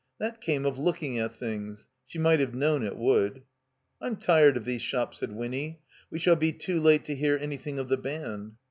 That came of looking at things. She might have known it would. *'I'm tired of these shops," said Winny. "We shall be too late to hear anything of the band."